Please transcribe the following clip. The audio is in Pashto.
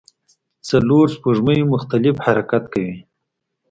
څلور سپوږمۍ مختلف حرکت کوي.